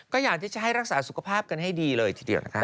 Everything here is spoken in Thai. ก็อยากที่จะให้รักษาสุขภาพกันให้ดีเลยทีเดียวนะคะ